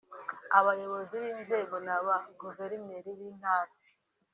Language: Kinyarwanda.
abayobozi b’inzego na ba Guverineri b’Intara